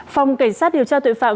phòng cảnh sát điều tra tội phạm